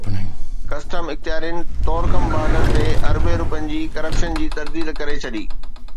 custom اختيارين Torkham border تي اربين رپين جي ڪرپشن جي ترديد ڪري ڇڏي